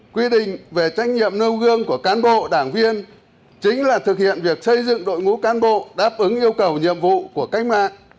quy định về trách nhiệm nêu gương của cán bộ đảng viên chính là thực hiện việc xây dựng đội ngũ cán bộ đáp ứng yêu cầu nhiệm vụ của cách mạng